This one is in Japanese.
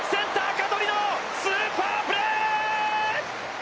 香取のスーパープレー！